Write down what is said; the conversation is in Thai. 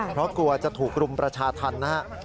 เพราะกลัวจะถูกรุมประชาธรรมนะครับ